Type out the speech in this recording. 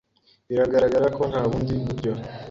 Biragaragara ko nta bundi buryo.